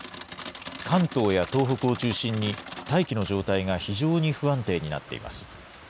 関東や東北を中心に、大気の状態が非常に不安定になっています。